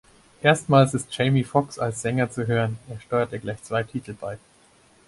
Erstmals ist Jamie Foxx als Sänger zu hören; er steuerte gleich zwei Titel bei.